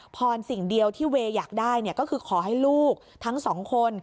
พรสิ่งเดียวที่เวย์อยากได้ก็คือขอให้ลูกทั้งสองคน